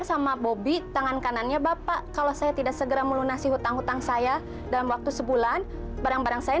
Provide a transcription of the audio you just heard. sampai jumpa di video selanjutnya